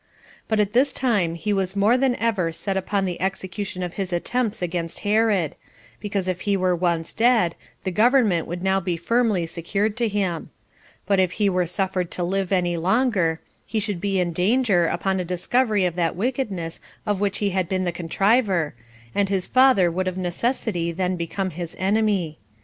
But at this time he was more than ever set upon the execution of his attempts against Herod, because if he were once dead, the government would now be firmly secured to him; but if he were suffered to live any longer, he should be in danger, upon a discovery of that wickedness of which he had been the contriver, and his father would of necessity then become his enemy.